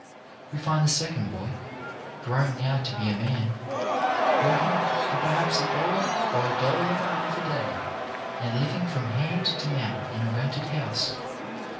We find the second boy, grown now to be a man, working for perhaps a dollar or a dollar and a half a day, and living from hand to mouth in a rented house.